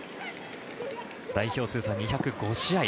代表通算２０５試合。